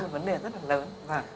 vấn đề rất là lớn